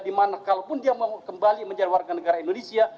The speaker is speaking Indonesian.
dimana kalaupun dia mau kembali menjadi warga negara indonesia